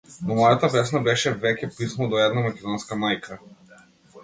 Но мојата песна беше веќе писмо до една македонска мајка.